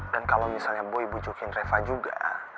dan kalo misalnya boy bujukin reva juga